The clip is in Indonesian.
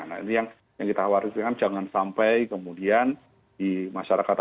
nah ini yang kita khawatirkan jangan sampai kemudian di masyarakat